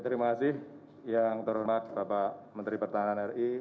terima kasih yang terhormat bapak menteri pertahanan ri